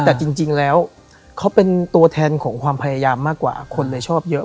แต่จริงแล้วเขาเป็นตัวแทนของความพยายามมากกว่าคนเลยชอบเยอะ